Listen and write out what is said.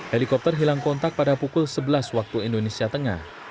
helikopter hilang kontak pada pukul sebelas waktu indonesia tengah